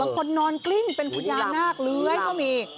บางคนนอนกลิ้งเป็นคุณญานาคเล้ยก็มี